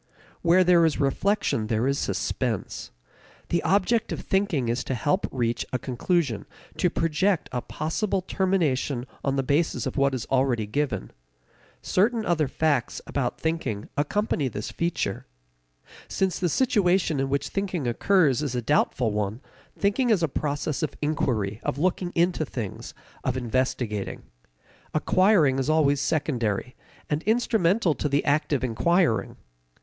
Where there is reflection there is suspense. The object of thinking is to help reach a conclusion, to project a possible termination on the basis of what is already given. Certain other facts about thinking accompany this feature. Since the situation in which thinking occurs is a doubtful one, thinking is a process of inquiry, of looking into things, of investigating. Acquiring is always secondary, and instrumental to the act of inquiring.